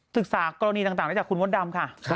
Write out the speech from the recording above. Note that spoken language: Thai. ศึกษากรณีต่างได้จากคุณมดดำค่ะ